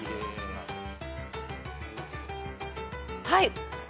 はい。